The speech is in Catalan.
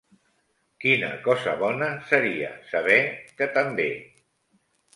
Quina cosa bona seria saber que també!